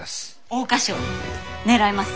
桜花賞狙います。